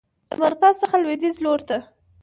د مرکز څخه لویدیځ لورته